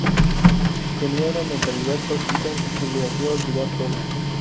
tenía una mentalidad tóxica que le hacía olvidar todo